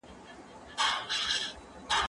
زه له سهاره واښه راوړم؟